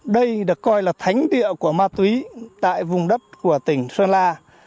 đây được coi là thánh địa của ma túy tại vùng đất của tỉnh sơn la